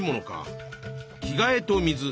着替えと水。